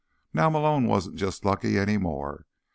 Now Malone wasn't just lucky any more.